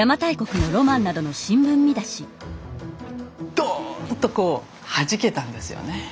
ドーンとこうはじけたんですよね。